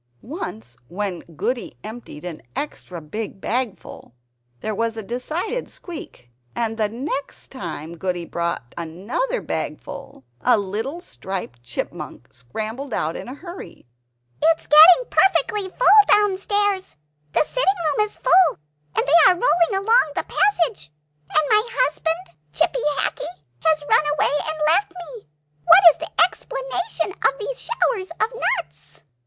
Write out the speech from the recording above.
Once when Goody emptied an extra big bagful, there was a decided squeak; and next time Goody brought another bagful, a little striped Chipmunk scrambled out in a hurry. "It is getting perfectly full up downstairs; the sitting room is full, and they are rolling along the passage; and my husband, Chippy Hackee, has run away and left me. What is the explanation of these showers of nuts?"